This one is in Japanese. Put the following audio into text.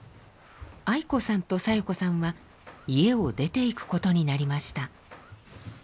愛子さんと小夜子さんは家を出ていくことになりました。